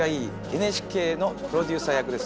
ＮＨＫのプロデューサー役です。